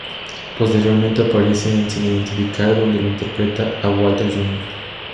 Posteriormente aparece en "Sin identificar", donde interpreta a Walter, Jr.